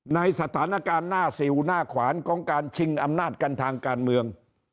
ในสถานการณ์หน้าสิวหน้าขวานของการชิงอำนาจกันทางการเมือง